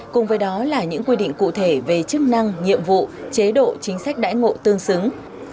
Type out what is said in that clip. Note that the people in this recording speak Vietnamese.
cùng với đó là những quy định cụ thể về chức năng nhiệm vụ chế độ chính sách đãi ngộ tương xứng